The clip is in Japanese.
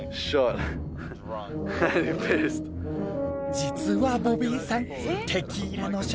実はボビーさん。